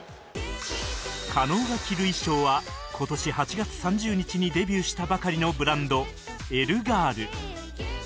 加納が着る衣装は今年８月３０日にデビューしたばかりのブランド ＥＬＬＥｇｉｒｌ